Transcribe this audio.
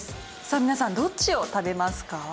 さあ皆さんどっちを食べますか？